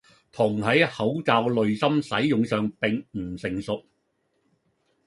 銅喺口罩濾芯使用上並唔成熟